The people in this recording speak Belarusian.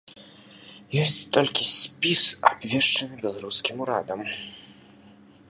Ёсць толькі спіс, абвешчаны беларускім урадам.